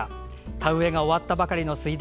田植えが終わったばかりの水田。